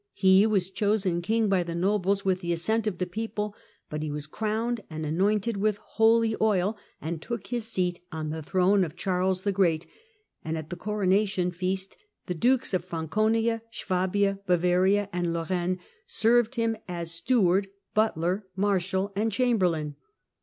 He was chosen king by the nobles, with the assent of the people, but he was crowned and anointed with holy oil, and took his seat on the throne of Charles the Great, and at the coronation feast the dukes of Franconia, Swabia, IBavaria and Lorraine served him as steward, butler, marshal and chamberlain.